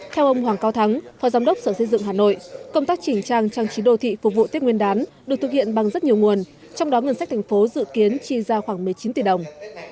theo ông hoàng cao thắng phó giám đốc sở xây dựng hà nội công tác chỉnh trang trang trí đô thị phục vụ tết nguyên đán được thực hiện bằng rất nhiều nguồn trong đó ngân sách thành phố dự kiến chi ra khoảng một mươi chín tỷ đồng